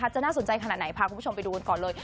จะน่าสนใจขนาดไหนพาคุณผู้ชมไปดูกันก่อนเลย